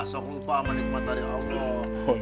sok lupa menikmat dari allah